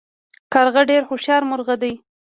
کارغه ډیر هوښیار مرغه دی